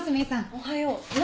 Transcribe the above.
おはよう。何？